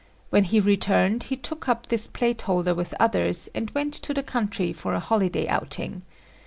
When he returned he took up this plate holder with others and went to the country for a holiday outing.